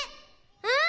うん！